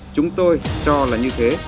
chúng tôi cho là như thế